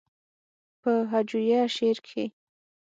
پۀ هجويه شعر کښې